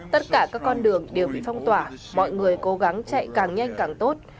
tất cả các con đường đều bị phong tỏa mọi người cố gắng chạy càng nhanh càng tốt